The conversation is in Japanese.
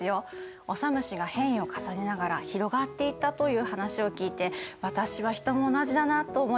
オサムシが変異を重ねながら広がっていったという話を聞いて私はヒトも同じだなと思いました。